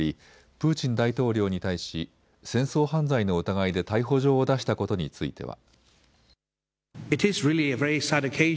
プーチン大統領に対し戦争犯罪の疑いで逮捕状を出したことについては。